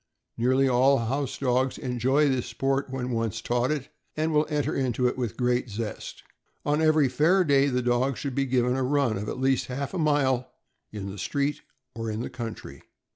Nearly all house dogs enjoy this sport when once taught it, and will enter into it with great zest. On every fair day the dog should be given a run, of at least half a mile, on the street or in the country.